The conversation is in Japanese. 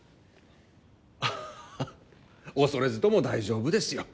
ハハ恐れずとも大丈夫ですよ。